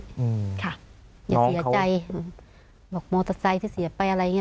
อย่าเสียใจบอกมอเตอร์ไซส์ที่เสียไปอะไรอย่างนี้